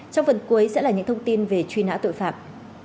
trong phần cuối sẽ là những thông tin về truy nã tội phạm